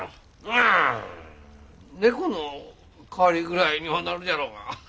まあ猫の代わりぐらいにはなるじゃろうが。